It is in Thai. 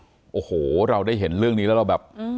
โอ้โหเราได้เห็นเรื่องนี้แล้วเราแบบ